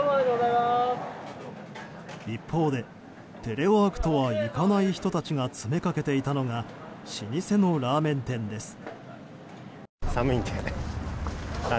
一方でテレワークとはいかない人たちが詰めかけていたのが老舗のラーメン店です。